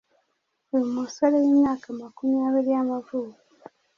Uyu musore w’imyaka makumyabiri y’amavuko